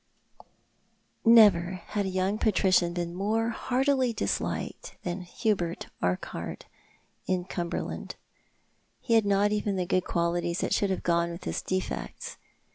Never had a young patrician been more heartily disliked than Hubert Urquhart in Cumberland. He The Furies on the Hearth. 307 had not even the good qualities that should have gone with liis defects.